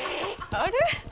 あれ？